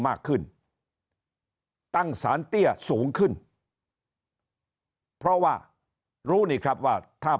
มากขึ้นตั้งสารเตี้ยสูงขึ้นเพราะว่ารู้นี่ครับว่าถ้า